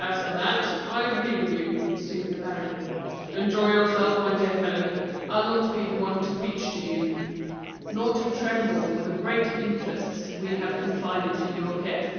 "As for that, I agree with you," resumed the baron. "Enjoy yourself, my dear fellow, I'll not be the one to preach to you, nor to tremble for the great interests we have confided to your care.